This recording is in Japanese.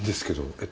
えっ？